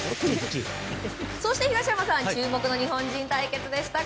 そして東山さん注目の日本人対決でした。